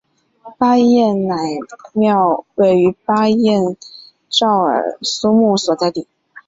巴彦乃庙位于巴彦淖尔苏木所在地。